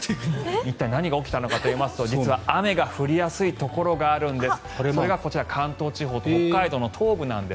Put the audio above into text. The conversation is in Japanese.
一体、何が起きたのかといいますと実は雨が降りやすいところがあるんです。